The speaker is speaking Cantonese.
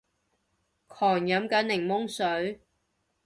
狂飲緊檸檬水